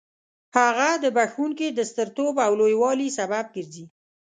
هغه د بخښونکي د سترتوب او لوی والي سبب ګرځي.